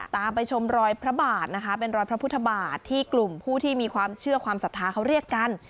ไปชมรอยพระบาทนะคะเป็นรอยพระพุทธบาทที่กลุ่มผู้ที่มีความเชื่อความศรัทธาเขาเรียกกัน